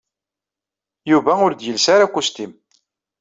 Yuba ur d-yelsi ara akustim.